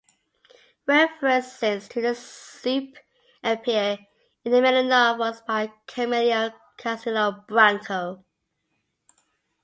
References to the soup appear in many novels by Camilo Castelo Branco.